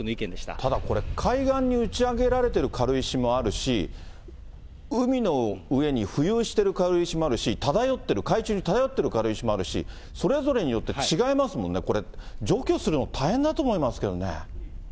ただこれ、海岸に打ち上げられている軽石もあるし、海の上に浮遊している軽石もあるし、漂ってる、海中に漂ってる軽石もあるし、それぞれによって違いますもんね、これ、除去するの大変だと思いますけどね。